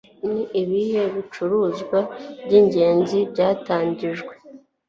Ni ibihe bicuruzwa by'ingenzi byatangijwe